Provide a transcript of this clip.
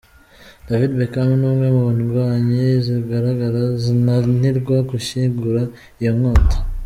David Beckham ni umwe mu ndwanyi zizagaragara zinanirwa gushyigura iyo nkota.